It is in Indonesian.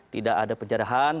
tidak ada pencerahan